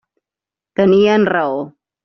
Tenien raó.